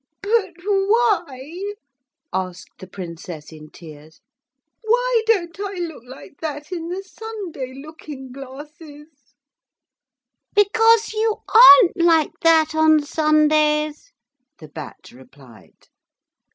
'But why,' asked the Princess in tears, 'why don't I look like that in the Sunday looking glasses?' 'Because you aren't like that on Sundays,' the Bat replied.